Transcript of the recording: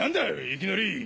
いきなり。